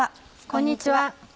こんにちは。